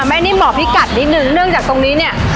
แม่นิ่มบอกพี่กัดนิดนึงเนื่องจากตรงนี้เนี่ย